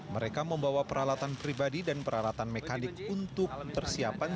mereka membawa peralatan pribadi dan peralatan mekanik untuk persiapan